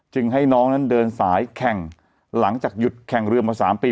ให้น้องนั้นเดินสายแข่งหลังจากหยุดแข่งเรือมา๓ปี